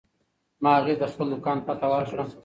ما هغې ته د خپل دوکان پته ورکړه.